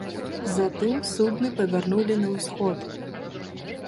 Затым судны павярнулі на ўсход.